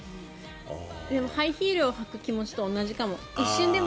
でも、ハイヒールを履く気持ちと同じかも。